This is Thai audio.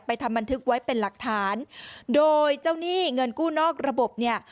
ทำบันทึกไว้เป็นหลักฐานโดยเจ้าหนี้เงินกู้นอกระบบเนี่ย